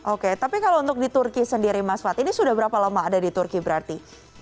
oke tapi kalau untuk di turki sendiri mas fad ini sudah berapa lama ada di turki berarti